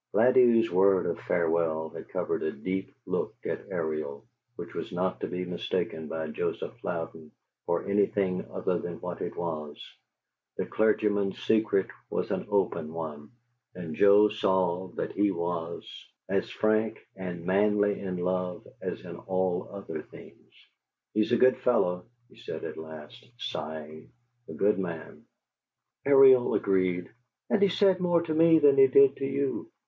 Ladew's word of farewell had covered a deep look at Ariel, which was not to be mistaken by Joseph Louden for anything other than what it was: the clergyman's secret was an open one, and Joe saw that he was as frank and manly in love as in all other things. "He's a good fellow," he said at last, sighing. "A good man." Ariel agreed. "And he said more to me than he did to you."